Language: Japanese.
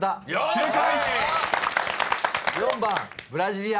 ［正解！